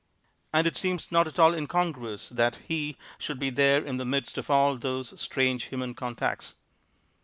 And it seems not at all incongruous that He should be there in the midst of all those strange human contacts.